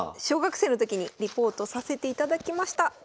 小学生の時にリポートさせていただきました。